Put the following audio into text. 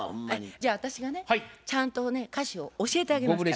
じゃあ私がねちゃんとね歌詞を教えてあげますから。